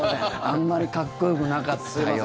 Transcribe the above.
あんまりかっこよくなかったよ。